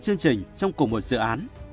trong cùng một dự án bao gồm hoạt động mai táng